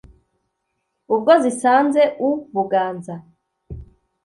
ubwo zisanze u buganza